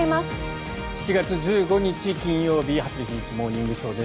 ７月１５日、金曜日「羽鳥慎一モーニングショー」。